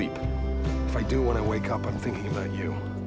jika saya bisa ketika saya bangun saya berpikir tentang anda